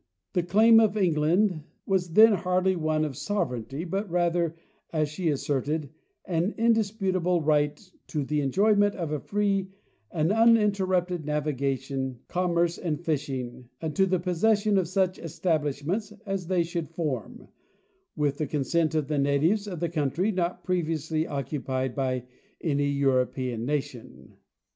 The claim of England was then hardly one of sovereignty, but rather, as she asserted, "an indisputable right to the enjoyment of a free and uninterrupted navigation, commerce and fishing, and to the possession of such establish ~ments as they should form, with the consent of the natives of the country, not previously occupied by any European nations."